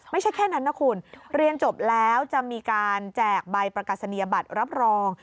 ไม่ใช่แค่นั้นนะคุณเรียนจบแล้วจะมีการแจกใบประกาศนียบัตรรับรอง